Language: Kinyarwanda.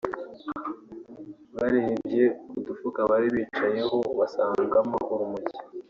barebye mu dufuka bari bicayeho basangamo urumogi